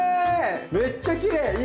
めっちゃきれい！